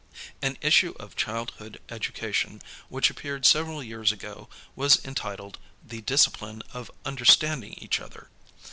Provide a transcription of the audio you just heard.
An issue of Childhood Education ' which appeared several years ago was entitled "The Discipline of Understanding Each Other."'